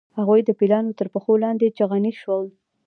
هغوی د پیلانو تر پښو لاندې چخڼي شول.